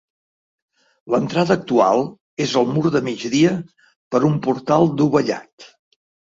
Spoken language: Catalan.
L'entrada actual és al mur de migdia per un portal dovellat.